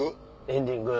エンディング。